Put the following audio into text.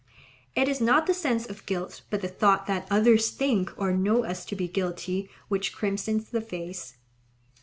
It is not the sense of guilt, but the thought that others think or know us to be guilty which crimsons the face.